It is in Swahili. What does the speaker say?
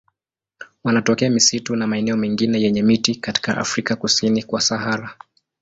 Wanatokea misitu na maeneo mengine yenye miti katika Afrika kusini kwa Sahara.